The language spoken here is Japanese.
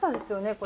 これ。